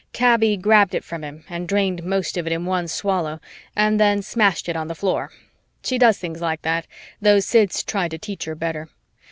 Kaby grabbed it from him and drained most of it in one swallow and then smashed it on the floor. She does things like that, though Sid's tried to teach her better.